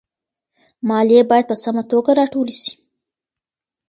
ماليې بايد په سمه توګه راټولي سي.